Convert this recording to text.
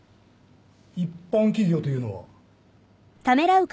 一般企業というのは？